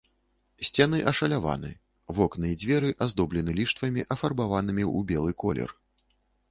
Сцены ашаляваны, вокны і дзверы аздоблены ліштвамі, афарбаванымі ў белы колер.